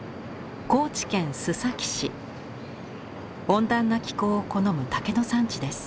温暖な気候を好む竹の産地です。